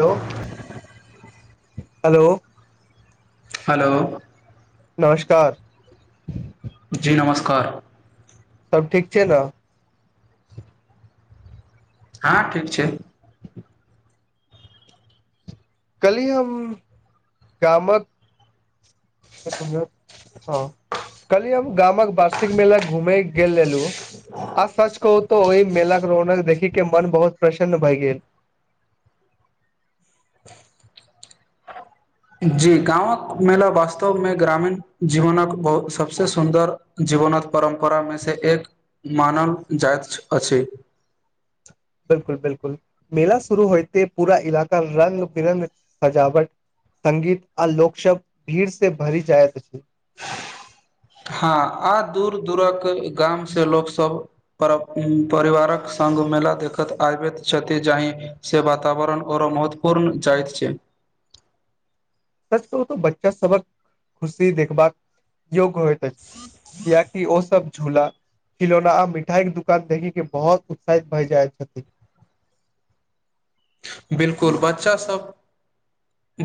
हलो hello hello नमस्कार क सब ठीक छै न हँ ठीक छै कली हम गामक अपने खाउ कहलियै हम गामक वार्षिक आ सच कहू तो ओहि मेलाक रौनक देखिक के मन बहुत प्रसन्न भए गेल [inaudible] जी गाँवक मेला वास्तव मे ग्रामीण जीवनक बहुत सबसे सुन्दर जीवन नत परम्परा मे से एक मानल जाइत अछि बिलकुल बिलकुल मेला शुरू होइते पूरा इलाका रंग बिरंग सजावट संगीत आ लोकशब्द भीड़ से भरि जाइत हँ आ दूर दूरक गाम से लोक सब पर परिवारक सङ्ग मेला देखैत आबैत छथि जाहि से वातावरण ओरो महत्वपूर्ण जाइत छै सच कहू त बच्चा सबक खुशी देखभाल योग्य होइत अछि कियाकि ओ सब झूला खिलौना आ मिठाई के दुकान देखी के बहुत उत्साहित भए जाय छथिन [inaudible] बिलकुल बच्चासभ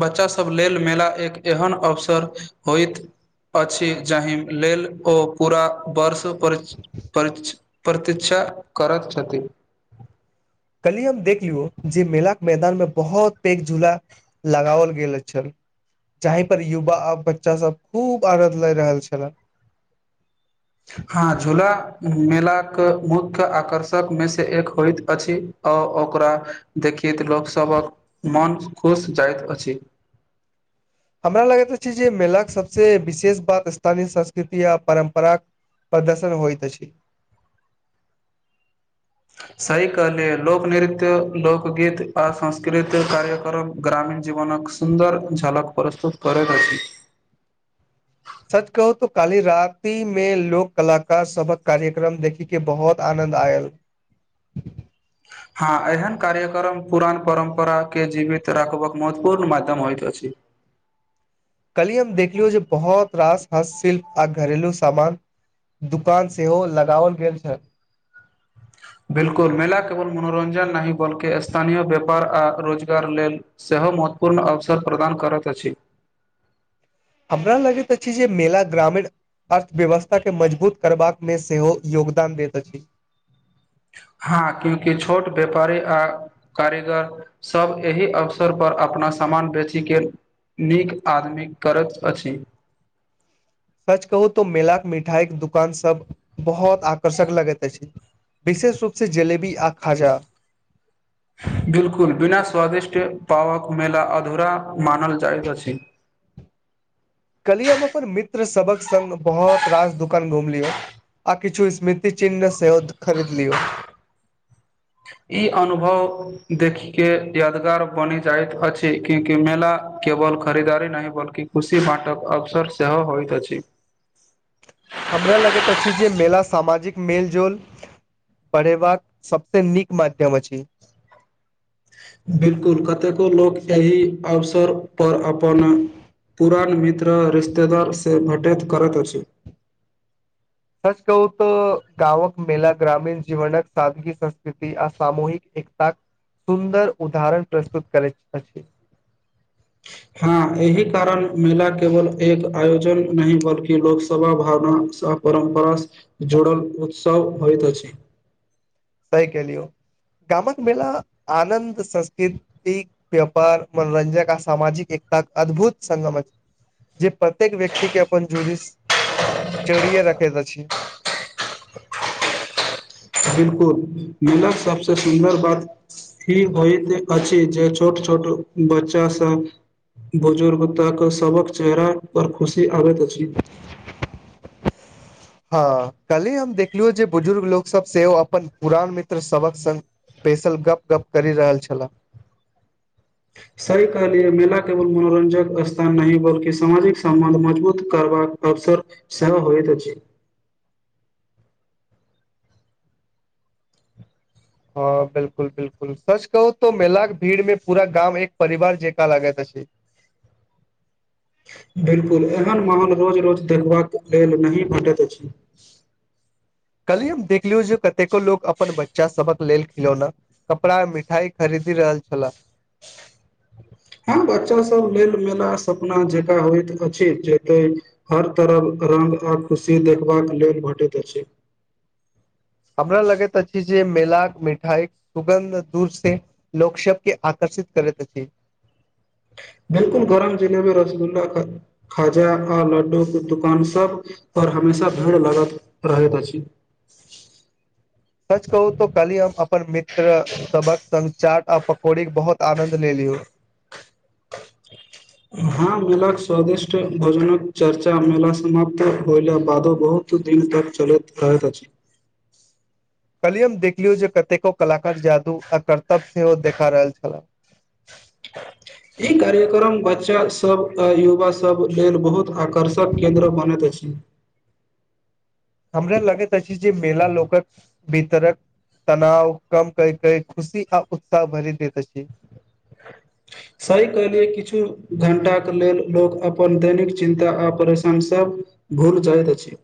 बच्चासभ लेल मेला एक एहन अवसर होइत अछि जाहि लेल ओ पूरा वर्ष परिक्ष परिक प्रतिक्षा करत छथि [unintelligible] कल्हि हम देख जे मेला के मैदान मे बहुत पेघ झूला लगाओल गेल छल जहीं पर युवा आ बच्चा सभ खूब आनद लए रहल छले हँ झूला मेला के मुख्य आकर्षक मे से एक होइत अछि आ ओकरा देखैत लोकसभक मन खुश जाइत अछि हँ हमरा लगैत छै जे मेलाके सबस विशेष बात स्थानीय संस्कृति य परम्पराक प्रदर्शन होइ त छै सही कहलियै लोकनृत्य लोकगीत आ संस्कृत कार्यक्रम ग्रामीण जीवन सुन्दर झलक प्रस्तुत करैत अछि [unintelligible] सच कहू त कालहि रतिमे लोक कलाकार सबक कार्यक्रम देखि के बहुत आनन्द आयल हँ एहन कार्यक्रम पुरान परम्परा के जीवित राखबाक महत्वपूर्ण माध्यम होइत अछि कलिय हम देखलियौ जे बहुत रास हस्त शिल्प आ घरेलु सामान दुकान सेहो लगाओल गेल छल बिलकुल मेला केवल मनोरंजन नहि बल्कि स्थानीय व्यापार आ रोजगार लेल से ओ महत्वपूर्ण अवसर प्रदान करैत अछि हमरा लगित छी जे मेला ग्रामे अर्थव्यवस्थाकेँ मजबूत करबाकमे सेहो योगदान दैत अछि हँ क्यूंकि छोट व्यापारी आ कारीगर सब एहि अवसर पर अपना सामान बेचैके नीक आदमी करैत अछि ह [unintelligible] सच कहू तो मेला के मिठाई के दुकान सब बहुत आकर्षक लगैत अछि विशेष रूपसँ जलेबी आ खाजा बिल्कुल बिना स्वादिष्ट पावक मेला अधूरा मानल जाइत अछि कहलिय हम अपन मित्र सबक संग बहुत रास दुकान घुमलियौ आ किछु स्मृति चिन्ह सेहो खरीद लियौ ई अनुभव देखि के यादगार बनि जाइत अछि क्यकि मेला केवल खरीदारी नहि बल्की खुशी मटक अवसर सेहो होइत अछि हमरा लगैत अछि जे मेला सामाजिक मेलजोल पढ़ेबाक सभसँ नीक माध्यम अछि बिलकुल कतेको लोक एहि अवसर पर अपन पुरान मित्र रिश्तेदार से भेट करैत अछि [unintelligible] सच कहू तऽ गाँवक मेला ग्रामीण जीवनक सादगी संस्कृति आ सामूहिक सुन्दर उदाहरण प्रस्तुत करैत अछि हँ एहि कारण मेला केवल एक आयोजन नहि बल्कि लोकसभा भावना परम्परा जोड़ल उत्सव होइत छै सही कलियौ गामक मला आनन्द संस्कृतिक व्यापार मनोरंजन आ सामाजिक त अद्भुत सगम अछि जे प्रत्येक व्यक्ति के अपन जुड़ी जड़िय राखैत छी बिल्कुल मिलक सभसे सुन्दर बात होइत अछि जे छोट छोट छोट बच्चा सभ बुजुर्ग ताके सभक चेहरा पर खुशी आबैत अछि [unintelligible] ह कल्हि हम देखलियौ जे बुजुर्ग लोकसभ सेहो अपन पुरान मित्र सबक संग बैसल गप गप करि रहल छलाह सहि कलिय मेल केवल मनोरंजक नहि बल्कि सामाजिक सम्बन्ध मजबूत करबाक अवसर सेहो होइत अछि [inaudible] हँ बिलकुल बिलकुल सच कहू त मेलाक भीड़ में पूरा गाम एक परिवार जका लगात अछि अछि बिलकुल एहन माहौल रोज रोज देखबाक लेल नहि भेटैत अछि कली हम देखलियौ जे कतेको लोको अपन बच्चा सबक लेल खिलौना कपड़ा मिठाई खरीद रहल छला हँ बच्चा सब लेल मेला सपना जेकाँ होइत अछि जेते हर तरफ रङ्ग आ खुशी देखबाक लेल भेटैत अछि [inaudible] हमरा लगैत अछि जे मेलाक मिठाइ सुगन्ध दूर से लोक सब के आकर्ष सित करैत अछि बिलकुल गरम जिलेबी रसगुल्ला खाजा आ लड्डू दुकान सब आओर हमेशा भीड़ लगत रहैत अछि सच कहू त कली हम अपन मित्र सभक संचार आ पकौड़ी के बहुत आनन्द ले लियौ हँ मेलाक के स्वादिष्ट भोजनक चर्चा मेला समाप्त होइला बादो बहुत दीन तक चलैत रहैत अछि [inaudible] कहलियी हम देखलियौ जे कतेको कलाकार जादू आ कर्तव्य सेहो देखा रहल छलाह ई कार्यक्रम बच्चा सब आ युवा सब लेल बहुत आकर्षक केन्द्र बनैत अछि ह हमरा लगैत अछि जे मेला लोकक भीतरक तनाव कम कै कै खुशी आ उत्साह भरी दैत अछि सही कलिय किछु घंटाक लेल लोक अपन दैनिक चिन्ता आ परेशान सभ भूल जाएत अछि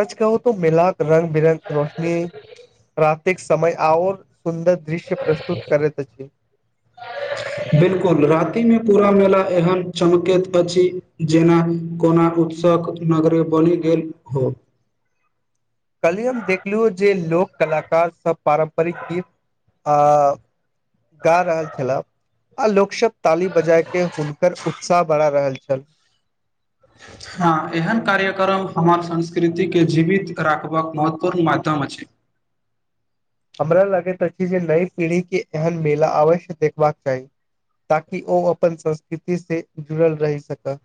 सच कहू तो मिलाक रङंग बिरङ्ग रोशनी प्रातिक समय आओर सुन्दर दृश्य प्रस्तुत करैत अछि बिल्कुल राति मे पूरा मेला एहन चमकैत अछि जेना कोना उत्सवक नगरी बनि गेल हो [inaudible] नहि हम देखलहु जे लोक कलाकार सब पारम्परिक गीत आ गा रहल छलाह आ लोकसभ ताली बजाए क हुनकर उत्साह बढ़ा रहल छल हँ एहन कार्यक्रम हमर संस्कृतिके जीवित राखबाक महत्वपूर्ण माध्यम अछि [inaudible] हमरा लगैत अछि जे नई पीढ़ी के एहन मेला अवश्य देखबाक चाही ताकि ओ अपन संस्कृतिसँ जुड़ल रहि सकत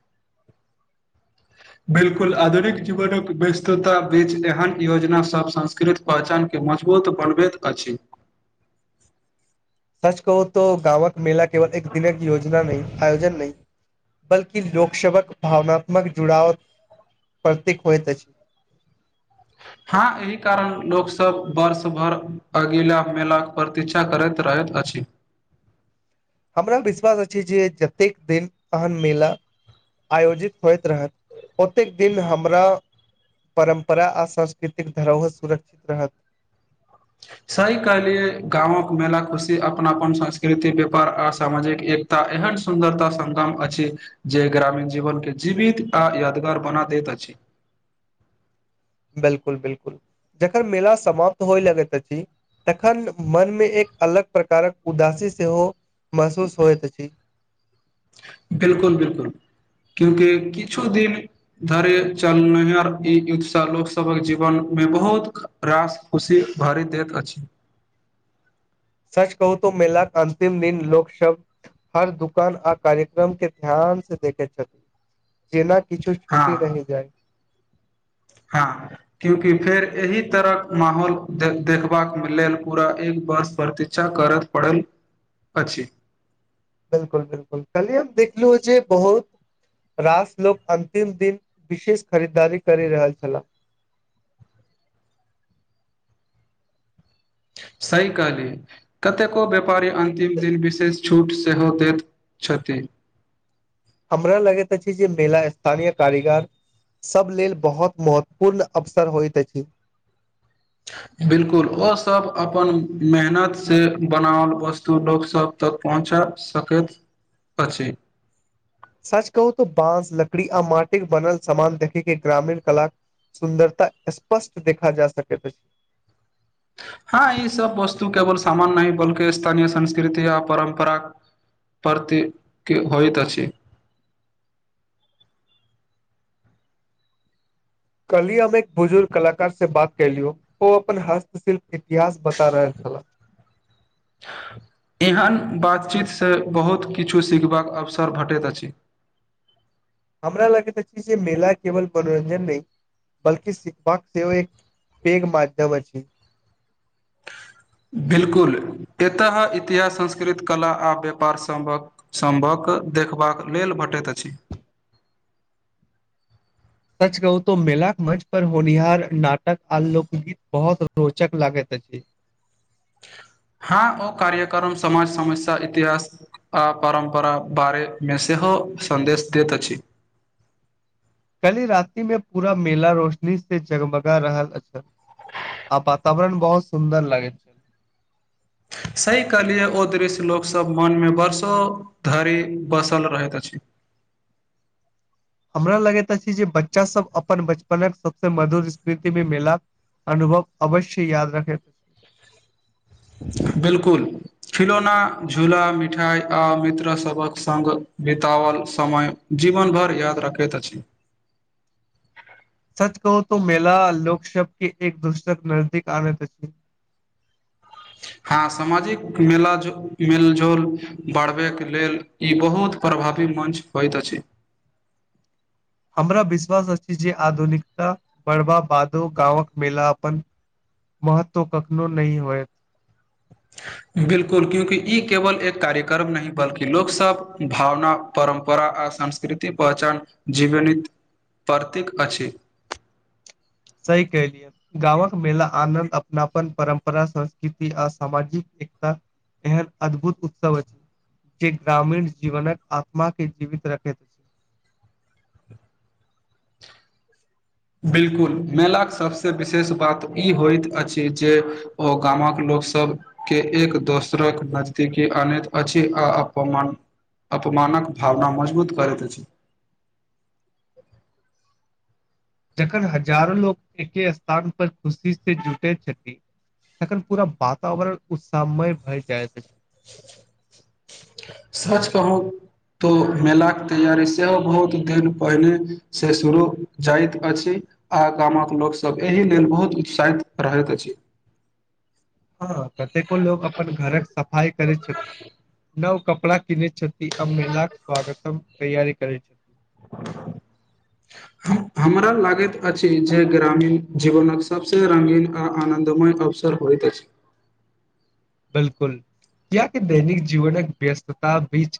बिल्कुल आधुनिक जीवन व्यस्तता बीच एहन योजना सभ संस्कृत पहचानके मजबूत बनबैत अछि सच कहू तो गाँवक मेल केवल एक दिनक योजना नहि आयोजन नहि बल्कि लोक सेवक भावनात्मक जुड़ाव प्रतीक होयत छै हँ एहि कारण लोकोसब वर्ष भर अगिला मेलाक प्रतीक्षा करैत रहैत अछि अछि हमरा विश्वास अछि जे जतेक दिन आन मेला आयोजित होइत रहत ओतेक दिन हमरा परम्परा आ सांस्कृतिक धरोहर सुरक्षित रहत सही कहलिए गांवक मेला खुशी अपनापन संस्कृति व्यापार आ सामाजिक एकता एहन सुन्दरता सग्राम अछि जे ग्रामीण जीवन के जीवित आ यादगार बना दैत अछि [inaudible] बिलकुल बिलकुल जखन मेला समाप्त होइ लगैत अछि तखन मनमे एक अलग प्रकारक उदासी सेहो महसूस होइत अछि बिलकुल बिलकुल क्यूंकि किछु दिन धरिे चलनिहर ई उत्साह लोकसभक जीवन भ बहुत रास खुशी भारी देैत अछि [inaudible] सच कहू तऽ मेलााक अंतिम दिन लोक सभ हर दुकान आ कार्यक्रम के ध्यान से देखैत छथिन जेना किछु छूट हँ नहि जाइ हँ क्यूंकि फेर एहि तरहक माहौल देखबाक लेल पूरा एक बस प्रतीछा करत पड़ल अछि बिलकुल बिलकुल कल्हि हम देखलहुं जे बहुत रास लोक अन्तिम दिन विशेष खरीदारी करि रहल छलाह [inaudible] [inaudible] सही कहली कतेको व्यापारी अन्तिम दिन विशेष छूट सेहो दैत छथिन हमरा लगैत अछि जे मेला स्थानीय कारीगर सभ लेल बहुत महत्वपूर्ण अवसर होइत अछि बिलकुल ओ सब अपन मेहनत से बनावल वस्तु लोक सब तक पहुँचल सकैत अछि सच कहू त बाँस लकड़ी आ माटिके बनल समान देखेके ग्रामीण कला सुन्दरता स्पष्ट देखा जा सकैत अछि हँ ई सब वस्तु केवल सामान्य नहि बल्कि स्थानीय संस्कृति आ परम्परा प्रती क होयत अछि [inaudible] कल्हि हम एक बुजुर्ग कलाकार से बात कलियौ ओ अपन हस्तशिल्प इतिहास बता रहल छलाह [inaudible] एहन बातचीतसँ बहुत किछु सीखबाक अवसर भेटैत अछि हमरा लग त छै जे मेला केवल मनोरंजन नहि बल्की सीखबाक सेहो एक पैघ माध्यम अछि बिलकुल एतह इतिहास संस्कृत कला आ व्यापार संभक संभक देखबाक लेल भ पटैत छी [inaudible] सच कहू तो मेलाक मंच पर होनिहार नाटक आ लोकगीत बहुत रोचक लागैत अछि हँ ओ कार्यक्रम समाज समस्या इतिहास आ परम्परा बारे मे से हं सन्देश दैत अछि [inaudible] कल्हि रातिमे पूरा मेला रोशनी से जगमगा रहल अ छल आ वातावरण बहुत सुन्दर लागैत सही कहलिए ओ दृश्य लोकसभ मनमे वर्षों धरि बसल रहैत अछि [inaudible] हमरा लगैत अछि जे बच्चा सब अपन बचपनक सबसे मधुर स्मृतिमे मेला अनुभव अवश्य याद रखैत बिलकुल खिलौना झूला मिठाई आ मित्र सभक सङ्ग बितावल समय जीवन भरि याद रखैत अछि [inaudible] सच कहू तो मेला लोक शब के एक दोसरक नजदीक आनैत अछि [inaudible] हँ सामाजिक मेला मेलजोल बढ़बैके लेल ई बहुत प्रभावी मञ्च होइत अछि [inaudible] हमरा विश्वास अछि जे आधुनिकता बढ़बा बादो गाँवक मेला अपन महत्व कखनो नहि होयत बिल्कुल क्यूंकि ई केवल एक कार्यक्रम नहि बल्कि लोक सब भावना परम्परा आ आ संस्कृति पहचान जीवनित प्रतीक अछि [inaudible] सही कहलियै गाँवक मेला आनन्द अपनापन परम्परा संस्कृति आ सामाजिक एकता एहन अद्भुत उत्सव अछि जे ग्रामीण जीवनक आत्मा के जीवित रखैत अछि [inaudible] बिल्कुल मेलाक सभसँ विशेष बात ई होइत अछि जे ओ गामक लोक लोक सबके एक दोसरक नजदीकी आनैत अछि आ अपमान अपमानक भावना मजबूत करैत अछि [inaudible] जखन हजारो लोक एके स्थान पर खुशी से जुटै छथिन तखन पूरा वातावरण उतसामय भय जायत सच कहूं तो मेलाक के तैयारी सेहो बहुत दिन पहिनेे से शुरू जाइत अछि आ गामक लोक सब एहि लेल बहुत उत्साहित रहैत अछि [inaudible] हँ कतेको लोग अपन घरक सफाइ करै छथिन नव कपड़ा किनै छथिन आ मेलाक स्वगतम तैयरी करै हमरा लागैत अछि जे ग्रामीण जीवनक सबस रंगीन आ आनंदमय अवसर सर होइत अछि बिलकुल कियाकी दैनिक जीवनक व्यस्तता बीच